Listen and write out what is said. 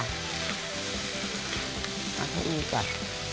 เอาที่นี่ก่อน